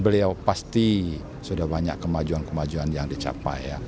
beliau pasti sudah banyak kemajuan kemajuan yang dicapai